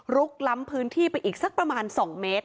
ล้ำพื้นที่ไปอีกสักประมาณ๒เมตร